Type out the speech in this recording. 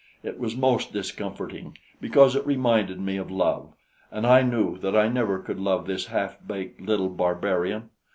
It was most discomforting, because it reminded me of love; and I knew that I never could love this half baked little barbarian.